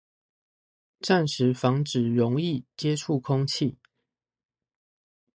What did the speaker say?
暫時防止溶液接觸空氣